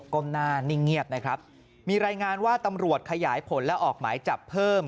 ก้มหน้านิ่งเงียบนะครับมีรายงานว่าตำรวจขยายผลและออกหมายจับเพิ่ม